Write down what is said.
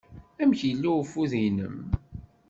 Amek yella ufud-nnem?